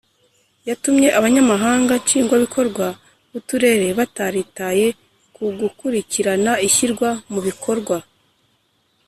yatumye abanyamabanga nshingwabikorwa b uturere bataritaye ku gukurikirana ishyirwa mu bikorwa